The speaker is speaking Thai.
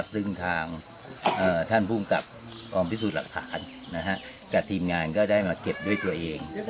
ซึ่งทางท่านภูมิกับกองพิสูจน์หลักฐานกับทีมงานก็ได้มาเก็บด้วยตัวเอง